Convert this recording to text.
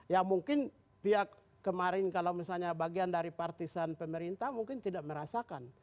ya mungkin pihak kemarin kalau misalnya bagian dari partisan pemerintah mungkin tidak merasakan